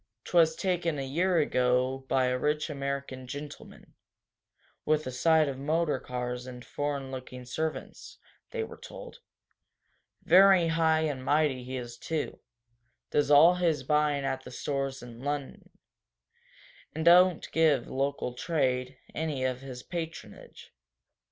"'Twas taken a year ago by a rich American gentleman, with a sight of motor cars and foreign looking servants," they were told. "Very high and mighty he is, too does all his buying at the stores in Lunnon, and don't give local trade any of his patronage."